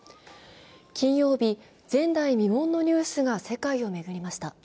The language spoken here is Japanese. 金曜日、前代未聞のニュースが世界を巡りました。